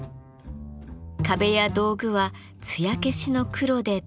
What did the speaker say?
壁や道具はつや消しの黒で統一。